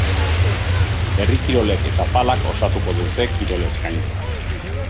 Herri kirolek eta palak osatuko dute kirol eskaintza.